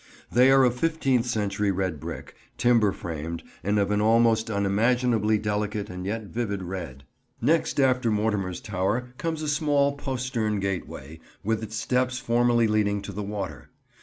They are of fifteenth century red brick, timber framed, and of an almost unimaginably delicate and yet vivid red. Next after Mortimer's Tower comes a small postern gateway, with its steps formerly leading to the water.